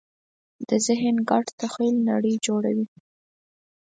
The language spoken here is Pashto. د ذهن ګډ تخیل نړۍ جوړوي.